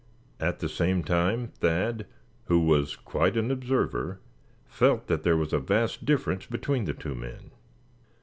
At the same time Thad, who was quite an observer, felt that there was a vast difference between the two men.